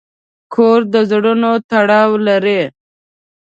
کور د زړونو تړاو لري.